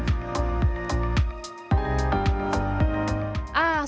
aduh keren banget ya